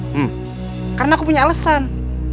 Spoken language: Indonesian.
hmm karena aku punya alasan